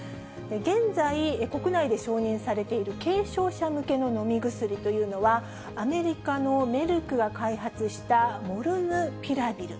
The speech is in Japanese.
現在、国内で承認されている軽症者向けの飲み薬というのは、アメリカのメルクが開発したモルヌピラビル。